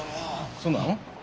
そうなの？